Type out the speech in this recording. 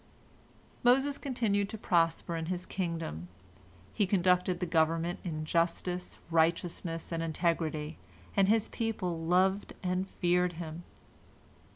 Moses continued to prosper in his kingdom. He conducted the government in justice, righteousness, and integrity, and his people loved and feared him.